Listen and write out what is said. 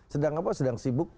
sedang apa sedang sibuk